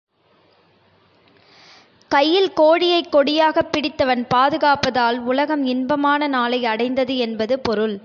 கையில் கோழியைக் கொடியாகப் பிடித்தவன் பாதுகாப்பதால் உலகம் இன்பமான நாளை அடைந்தது என்பது பொருள்.